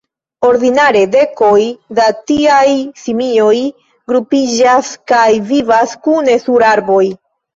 Ordinare dekoj da tiaj simioj grupiĝas kaj vivas kune sur arboj.